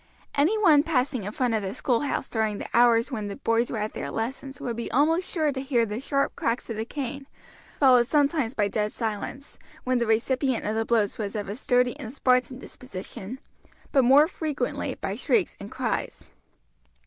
Any one passing in front of the schoolhouse during the hours when the boys were at their lessons would be almost sure to hear the sharp cracks of the cane, followed sometimes by dead silence, when the recipient of the blows was of a sturdy and Spartan disposition, but more frequently by shrieks and cries.